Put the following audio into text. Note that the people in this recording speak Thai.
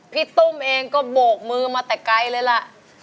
ตุ้มเองก็โบกมือมาแต่ไกลเลยล่ะ